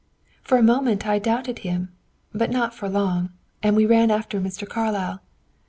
For a moment I doubted him, but not for long, and we ran after Mr. Carlyle.